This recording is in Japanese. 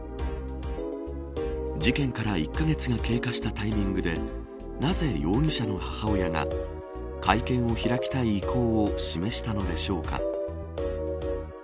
事件から１カ月が経過したタイミングでなぜ容疑者の母親が会見を開きたい意向を示したのでしょうか。